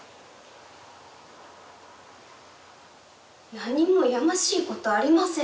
「何もやましいことありません！」